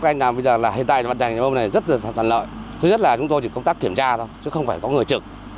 bây giờ hiện tại trạm bơm này rất là thân lợi thứ nhất là chúng tôi chỉ công tác kiểm tra thôi chứ không phải có người trực